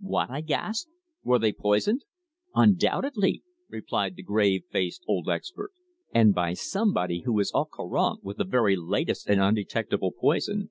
"What?" I gasped. "Were they poisoned?" "Undoubtedly," replied the grave faced old expert. "And by somebody who is au courant with the very latest and undetectable poison.